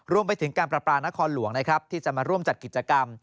รวมไปถึงการประปานครหลวงนะครับที่จะมาร่วมจัดกิจกรรม